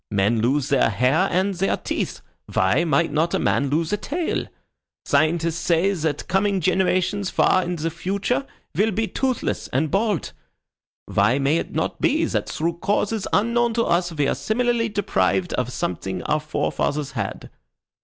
Men lose their hair and their teeth; why might not a man lose a tail? Scientists say that coming generations far in the future will be toothless and bald. Why may it not be that through causes unknown to us we are similarly deprived of something our forefathers had?"